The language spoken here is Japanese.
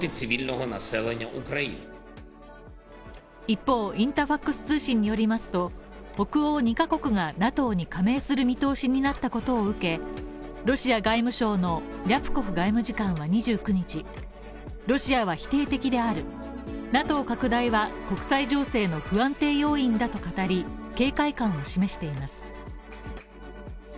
一方、インタファクス通信によりますと北欧２カ国がＮＡＴＯに加盟する見通しになったことを受けロシア外務省のリャプコフ外務次官は２９日、ロシアは否定的である、ＮＡＴＯ拡大は国際情勢の不安定要因だと語り、警戒感を示しています。